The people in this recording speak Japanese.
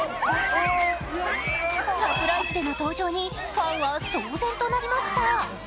サプライズでの登場に、ファンは騒然となりました。